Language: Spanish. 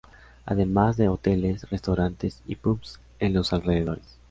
Además de hoteles, restaurantes y pubs en los alrededores.